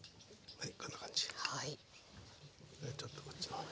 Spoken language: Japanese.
はい。